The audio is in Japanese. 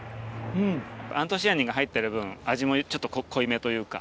アントシアニンが入ってる分味もちょっと濃いめというか。